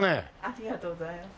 ありがとうございます。